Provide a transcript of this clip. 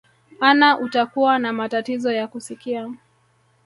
anna utakuwa na matatizo ya kusikia